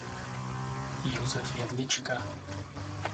Josef Jedlička.